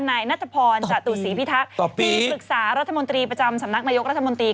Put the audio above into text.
นายนัทพรจตุศรีพิทักษ์ที่ปรึกษารัฐมนตรีประจำสำนักนายกรัฐมนตรี